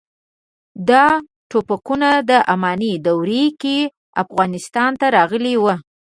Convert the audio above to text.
دا ټوپکونه د اماني دورې کې افغانستان ته راغلي وو.